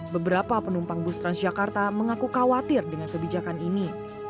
beberapa penumpang bus transjakarta mengaku khawatir dengan kebijakan ini